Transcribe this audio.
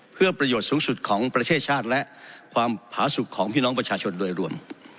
เพื่อประโยชน์สูงสุดของประเทศชาติและความผาสุขของพี่น้องประชาชนโดยรวม